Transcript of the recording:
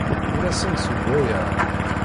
Ur asen-d-ssewwayeɣ.